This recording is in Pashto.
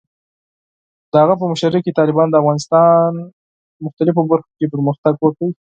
د هغه په مشرۍ کې، طالبانو د افغانستان په مختلفو برخو کې پرمختګ وکړ.